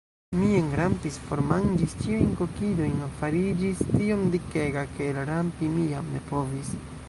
Mi enrampis, formanĝis ĉiujn kokidojn, fariĝis tiom dikega, ke elrampi mi jam ne povis.